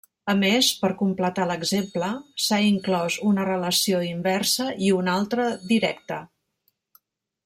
A més, per completar l'exemple, s'ha inclòs una relació inversa i una altra directa.